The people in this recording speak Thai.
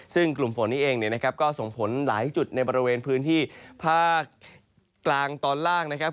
ซึ่งกลุ่มฝนนี้เองเนี่ยนะครับก็ส่งผลหลายจุดในบริเวณพื้นที่ภาคกลางตอนล่างนะครับ